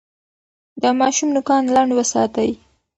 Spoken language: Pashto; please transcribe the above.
د ماشوم نوکان لنډ وساتئ.